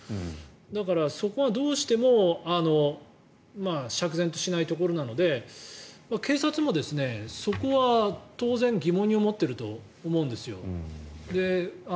だから、そこがどうしても釈然としないところなので警察もそこは当然疑問に残っていると思うんです。